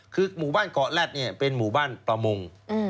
คือหมู่บ้านเกาะแร็ดเนี่ยเป็นหมู่บ้านประมง